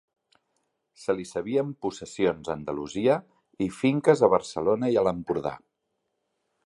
Se li sabien possessions a Andalusia i finques a Barcelona i a l'Empordà.